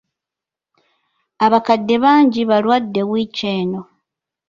Abakadde bangi balwadde wiiki eno.